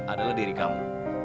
adalah diri kamu